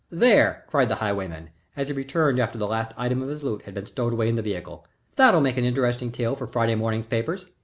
"There!" cried the highwayman, as he returned after the last item of his loot had been stowed away in the vehicle. "That'll make an interesting tale for Friday morning's papers.